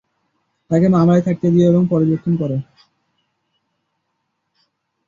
তাকে মামলায় থাকতে দিও এবং পর্যবেক্ষণ করো।